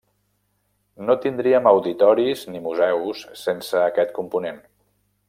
No tindríem auditoris ni museus sense aquest component.